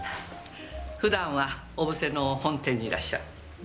普段は小布施の本店にいらっしゃる。